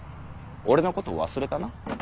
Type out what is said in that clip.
俺のことを忘れたな？